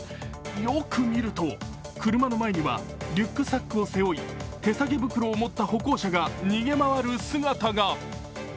よく見ると、車の前にはリュックサックを背負い手提げ袋を持った歩行者が逃げ回る姿が。